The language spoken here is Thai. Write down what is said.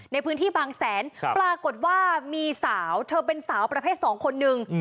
ในพื้นที่บางแสนปรากฏว่ามีสาวเธอเป็นสาวประเภทสองคนนึง